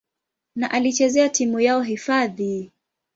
na alichezea timu yao hifadhi.